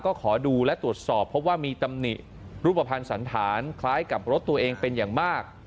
ก็ขอดูและตรวจสอบเพราะว่ามีตำหนิรูปภัณฑ์สันธารคล้ายกับรถตัวเองเป็นอย่างมาก